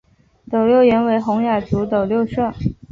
斗六原为洪雅族斗六社。